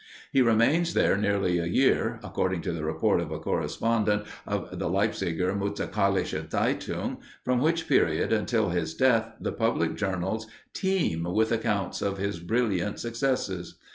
He remains there nearly a year, according to the report of a correspondent of the "Leipziger Musikalische Zeitung," from which period until his death the public journals teem with accounts of his brilliant successes.